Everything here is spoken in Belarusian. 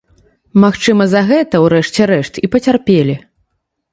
Магчыма за гэта, у рэшце рэшт, і пацярпелі.